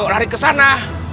lari ke sana